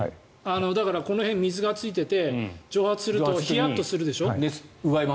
だから、この辺水がついていて蒸発するとヒヤッとするでしょ。